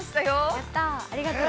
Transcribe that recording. ◆やった！